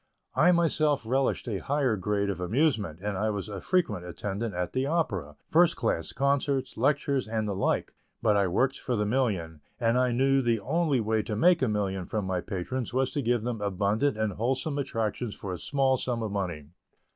I myself relished a higher grade of amusement, and I was a frequent attendant at the opera, first class concerts, lectures, and the like; but I worked for the million, and I knew the only way to make a million from my patrons was to give them abundant and wholesome attractions for a small sum of money.